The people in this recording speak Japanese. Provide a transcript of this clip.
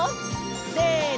せの！